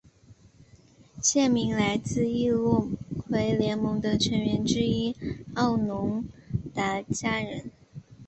县名来自易洛魁联盟的成员之一奥农达加人。